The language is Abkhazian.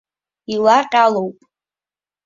Ила ҟьалоуп.